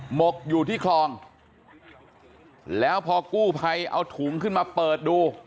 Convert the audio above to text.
หกอยู่ที่คลองแล้วพอกู้ภัยเอาถุงขึ้นมาเปิดดู